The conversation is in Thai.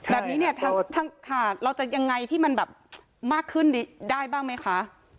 แบบนี้เนี่ยทางเราจะยังไงที่มันแบบมากขึ้นได้บ้างไหมคะ